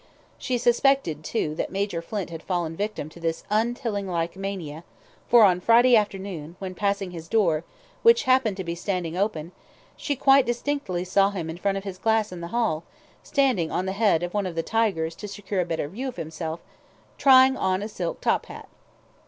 She suspected, too, that Major Flint had fallen victim to this unTilling like mania, for on Friday afternoon, when passing his door, which happened to be standing open, she quite distinctly saw him in front of his glass in the hall (standing on the head of one of the tigers to secure a better view of himself), trying on a silk top hat.